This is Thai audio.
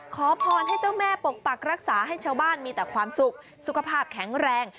ขอพรให้เจ้าแม่ปกปักรักษาให้ชาวบ้านมีแต่ความสุขสุขภาพแข็งแรง